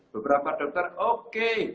beberapa dokter oke